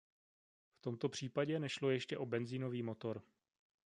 V tomto případě nešlo ještě o benzínový motor.